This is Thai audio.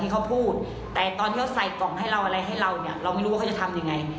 เกาะสายกล่องอะไรให้เราไม่รู้ว่าเขาจะทำอย่างไร